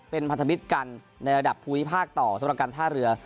เป็นพันธมิตรกันในระดับภูมิภาคต่อสำหรับการท่าเรือ